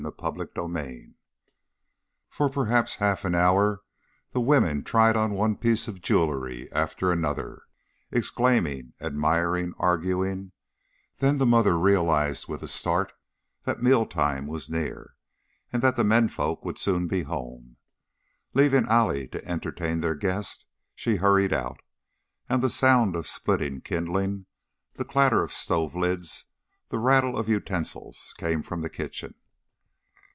CHAPTER V For perhaps half an hour the women tried on one piece of jewelry after another, exclaiming, admiring, arguing, then the mother realized with a start that meal time was near and that the menfolks would soon be home. Leaving Allie to entertain their guest, she hurried out, and the sound of splitting kindling, the clatter of stove lids, the rattle of utensils came from the kitchen.